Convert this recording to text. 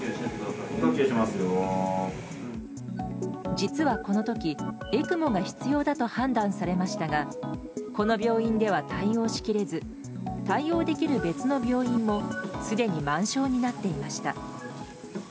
実は、この時ＥＣＭＯが必要だと判断されましたがこの病院では対応しきれず対応できる別の病院もすでに満床になっていました。